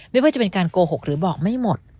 ไม่ว่าจะเป็นการโกหกหรือบอกไม่หมด